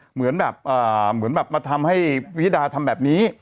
เหมือนมาทำให้พิญญาดาทำแบบนี้